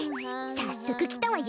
さっそくきたわよ。